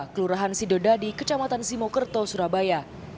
kelurahan sidodadi kecamatan simokerto surabaya